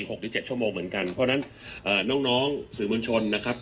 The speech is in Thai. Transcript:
หรือเจ็ดชั่วโมงเหมือนกันเพราะฉะนั้นเอ่อน้องน้องสื่อมวลชนนะครับ